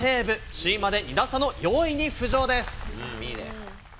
首位まで２打差の４位に浮上です。